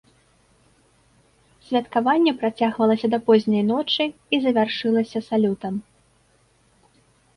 Святкаванне працягвалася да позняй ночы і завяршылася салютам.